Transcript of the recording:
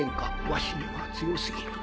わしには強すぎる。